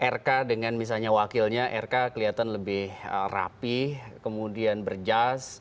rk dengan misalnya wakilnya rk kelihatan lebih rapih kemudian berjas